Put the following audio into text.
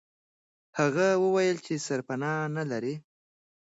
هغه وویل چې سرپنا نه لري.